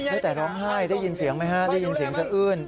ได้แต่ร้องไห้ได้ยินเสียงไหมฮะได้ยินเสียงสะอื้น